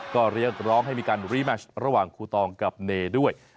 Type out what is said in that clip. ก็เรียกร้องให้มีการรีแมชระหว่างครูตองกับเนด้วย